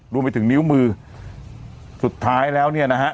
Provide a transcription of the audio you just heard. รวมไปถึงนิ้วมือสุดท้ายแล้วเนี่ยนะฮะ